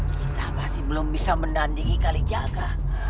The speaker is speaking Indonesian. kita masih belum bisa mendandingi kalijaga